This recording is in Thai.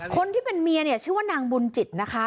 คนที่เป็นเมียเนี่ยชื่อว่านางบุญจิตนะคะ